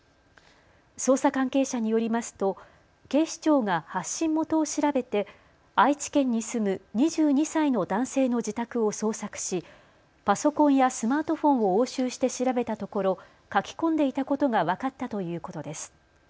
捜査関係者によりますと警視庁が発信元を調べて愛知県に住む２２歳の男性の自宅を捜索しパソコンやスマートフォンを押収して調べたところ書き込んでいたことが分かったということです。